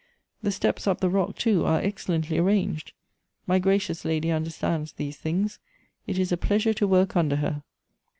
The steps up the rock, too, are excellently ar ranged. My gracious lady understands these things ; it is a pleasure to work under her."